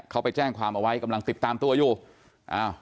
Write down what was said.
เขาไปแจ้งความเอาไว้กำลังติดตามตัวอยู่อ้าว